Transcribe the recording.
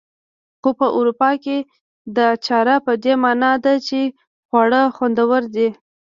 خو په اروپا کې دا چاره په دې مانا ده چې خواړه خوندور دي.